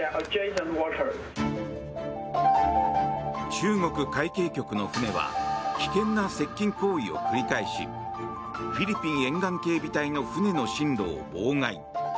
中国海警局の船は危険な接近行為を繰り返しフィリピン沿岸警備隊の船の進路を妨害。